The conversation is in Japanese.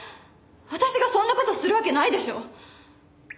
私がそんな事するわけないでしょ。